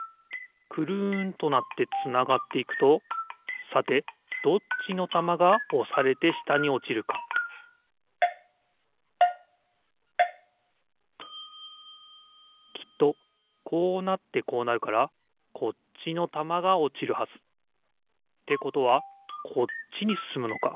くるんとなってつながっていくとさてどっちのたまがおされてしたにおちるかきっとこうなってこうなるからこっちのたまがおちるはず。ってことはこっちにすすむのか。